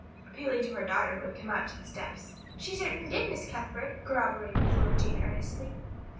appealing to her daughter who had come out to the steps. "She certainly did, Miss Cuthbert," corroborated Flora Jane earnestly.